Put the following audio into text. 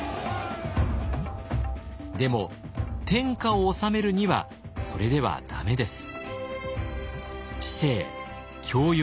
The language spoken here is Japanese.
でも天下を治めるにはそれではダメです。